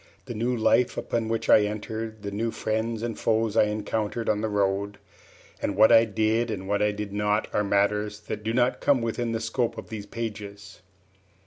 The new life upon which I entered, the new friends and foes I encountered on the road, and what I did and what I did not, are matters that do not come within the scope of these pages.